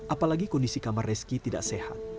apalagi kondisi kamar reski tidak sehat